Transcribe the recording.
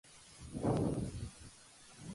Existían en la formación secreta del Punto Omega.